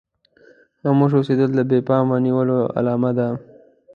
خاموشه اوسېدل د بې پامه نيولو علامه ده.